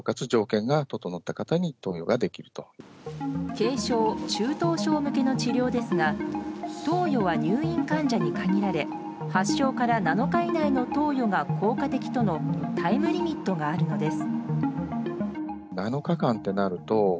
軽症・中等症向けの治療ですが投与は入院患者に限られ発症から７日以内の投与が効果的とのタイムリミットがあるのです。